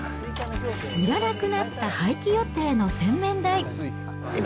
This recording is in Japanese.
いらなくなった廃棄予定の洗面台。